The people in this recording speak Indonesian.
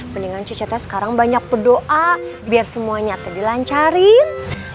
mendingan cicek sekarang banyak berdoa biar semuanya terbilancarin